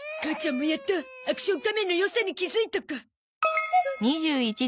母ちゃんもやっと『アクション仮面』の良さに気づいたか。